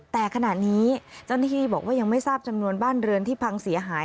แต่ขณะนี้เจ้าหน้าที่บอกว่ายังไม่ทราบจำนวนบ้านเรือนที่พังเสียหาย